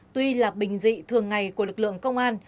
tuy là bình dị thường ngày của lực lượng công an